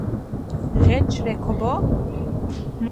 ღეჯ რექო ბო?